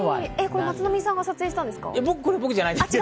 これは松並さんが撮影されたんですか？